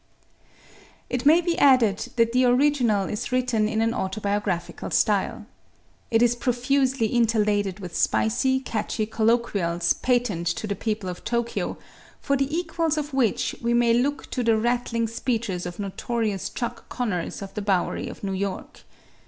It may be added that the original is written in an autobiographical style. It is profusely interladed with spicy, catchy colloquials patent to the people of Tokyo for the equals of which we may look to the rattling speeches of notorious Chuck Conners of the Bowery of New York.